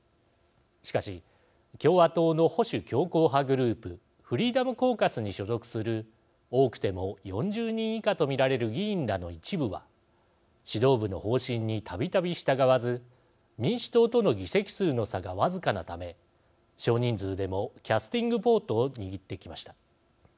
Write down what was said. しかし共和党の保守強硬派グループフリーダム・コーカスに所属する多くても４０人以下と見られる議員らの一部は指導部の方針にたびたび従わず民主党との議席数の差が僅かなため少人数でもキャスティング・ボートを握ってきました。